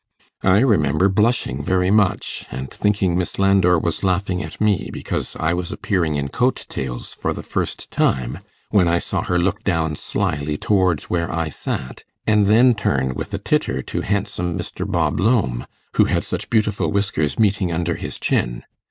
I remember blushing very much, and thinking Miss Landor was laughing at me, because I was appearing in coat tails for the first time, when I saw her look down slyly towards where I sat, and then turn with a titter to handsome Mr. Bob Lowme, who had such beautiful whiskers meeting under his chin.